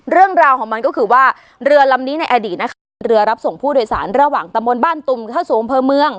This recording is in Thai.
เรื่องราวของมันก็คือว่าเรือลำนี้ในอดีตนะคะเป็นเรือรับส่งผู้โดยสารระหว่างตะมนต์บ้านตุ่มเข้าสู่อำเภอเมือง